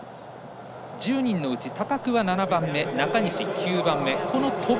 １０人のうち高桑、７番目中西、９番目この跳ぶ